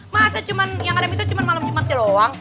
masa yang ada mitos cuma malam jumat aja loh